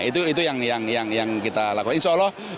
itu yang kita lakukan